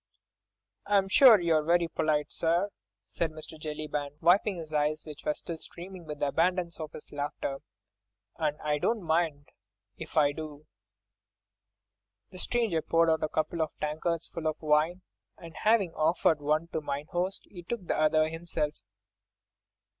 "I am sure you're very polite, sir," said Mr. Jellyband, wiping his eyes which were still streaming with the abundance of his laughter, "and I don't mind if I do." The stranger poured out a couple of tankards full of wine, and having offered one to mine host, he took the other himself.